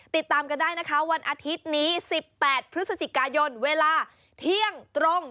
ติดตามกันได้นะคะวันอาทิตย์นี้๑๘พฤศจิกายนเวลาเที่ยงตรง